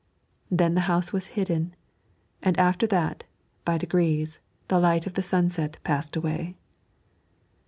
Then the house was hidden, and after that, by degrees, the light of the sunset passed away.